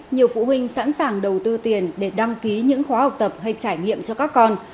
nhiều phụ huynh sẵn sàng đầu tư tiền để đăng ký những khóa học tập hay trải nghiệm cho các con